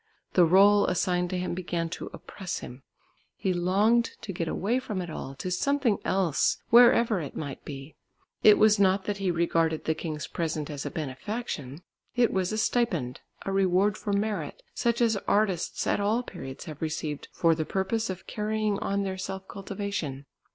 The rôle assigned to him began to oppress him; he longed to get away from it all to something else, wherever it might be. It was not that he regarded the king's present as a benefaction. It was a stipend, a reward for merit, such as artists at all periods have received for the purpose of carrying on their self cultivation.